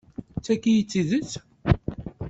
D tagi i d tidett?